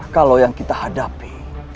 kalau yang kita hadapi